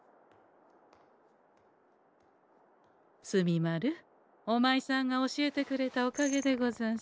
墨丸お前さんが教えてくれたおかげでござんす。